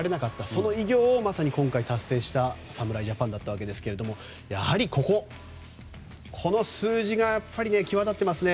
その偉業を今回達成した侍ジャパンでしたがやはりここ、この数字が際立っていますね。